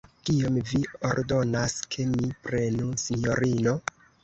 Kiom vi ordonas, ke mi prenu, sinjorino?